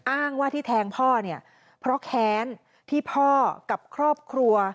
อ้างว่าที่แทงพ่อเนี่ยเพราะแค้นที่พ่อกับครอบครัว